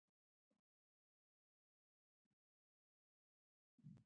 افغانستان په اوښ غني دی.